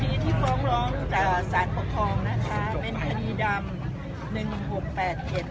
คิดที่ฟ้องร้องกับผักทองนะคะมันคดีดำหนึ่งหกแปดเอ็ด